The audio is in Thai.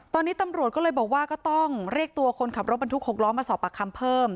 ตอนนี้ตำรวจก็เลยบอกว่าก็ต้องเรียกตัวคนขับรถบรรทุก๖ล้อมาสอบปากคำเพิ่ม